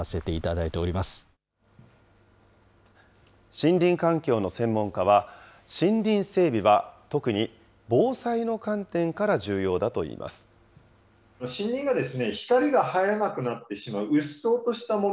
森林環境の専門家は、森林整備は特に防災の観点から重要だといいます。